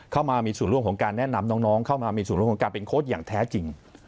เข้ามามีส่วนร่วมของการแนะนำน้องเข้ามามีส่วนร่วมของการเป็นโค้ดอย่างแท้จริง